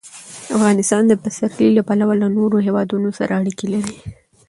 افغانستان د پسرلی له پلوه له نورو هېوادونو سره اړیکې لري.